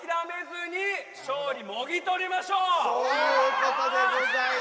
最後の最後そういうことでございます。